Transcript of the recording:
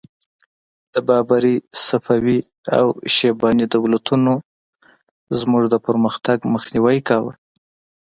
د بابري، صفوي او شیباني دولتونو زموږ د پرمختګ مخنیوی کاوه.